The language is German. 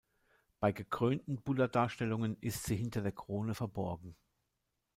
Bei gekrönten Buddha-Darstellungen ist sie hinter der Krone verborgen.